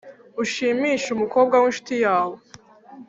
ushimishe umukobwa w’inshuti yawe??